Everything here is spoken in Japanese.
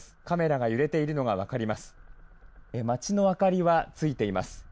カメラが揺れているのが分かります。